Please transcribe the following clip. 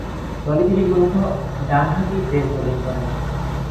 দলে তিনি মূলতঃ ডানহাতি পেস বোলিং করেন।